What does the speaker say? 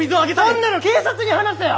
そんなの警察に話せよ！